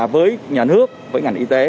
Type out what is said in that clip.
với nhà nước với ngành y tế